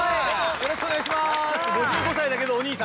よろしくお願いします。